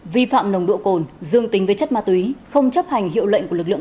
vi phạm nồng độ cồn dương tính với chất ma túy không chấp hành hiệu lệnh của lực lượng